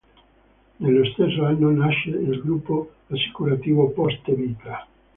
Nello stesso anno nasce il Gruppo Assicurativo Poste Vita.